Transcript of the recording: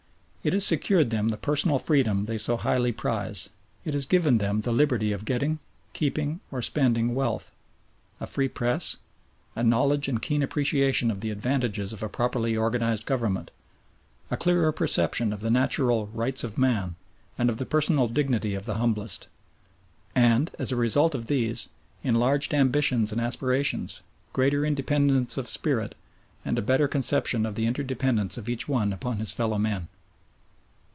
It has secured them the personal freedom they so highly prize, it has given them the liberty of getting, keeping, or spending wealth, a free Press, a knowledge and keen appreciation of the advantages of a properly organised Government, a clearer perception of the natural "rights of man" and of the personal dignity of the humblest, and, as a result of these, enlarged ambitions and aspirations, greater independence of spirit, and a better conception of the interdependence of each one upon his fellow men.